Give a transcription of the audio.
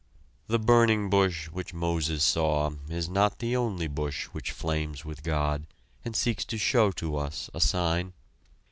The burning bush which Moses saw is not the only bush which flames with God, and seeks to show to us a sign.